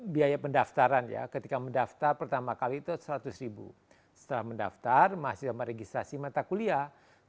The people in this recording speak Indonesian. biaya pendaftaran ya ketika mendaftar pertama kali itu seratus ribu setelah mendaftar masih sama registrasi mata kuliah